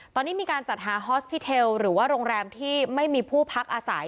ตอนนี้มีการจัดหาฮอสพิเทลหรือว่าโรงแรมที่ไม่มีผู้พักอาศัย